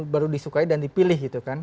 baru disukai dan dipilih